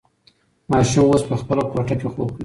ماشوم اوس په خپله کوټه کې خوب کوي.